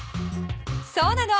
そうなの。